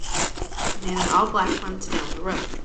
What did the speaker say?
A man in all black runs down the road.